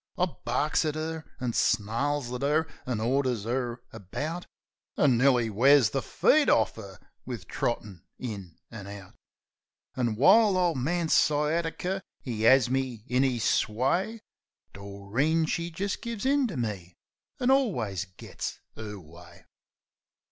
I barks at 'er, an' snarls at 'er, an' orders 'er about, An' nearly wears the feet orf 'er wiv trottin' in an' out. An' while Ole Man Sciatiker, 'e 'as me in 'is sway Doreen, she jist gives in to me an' alwus gits 'er way.